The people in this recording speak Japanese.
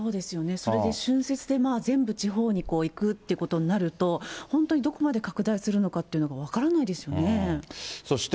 それで春節で全部地方に行くってことになると、本当にどこまで拡大するのかというのが分からないですよね。